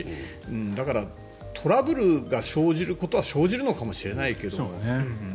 だからトラブルが生じることは生じるのかもしれないけど。